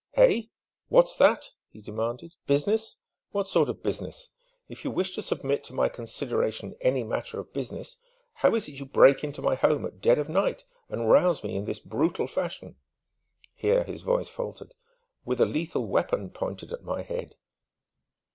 "Eh? What's that?" he demanded. "Business? What sort of business? If you wish to submit to my consideration any matter of business, how is it you break into my home at dead of night and rouse me in this brutal fashion" here his voice faltered "with a lethal weapon pointed at my head?"